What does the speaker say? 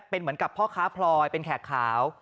เป็นเหมือนกับพ่อค้าพลอยเป็นแขกขาว